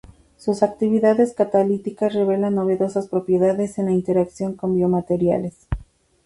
Sus actividades catalíticas revelan novedosas propiedades en la interacción con biomateriales.